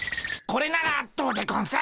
これならどうでゴンス？